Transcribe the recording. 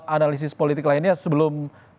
analisis politik lainnya sebelum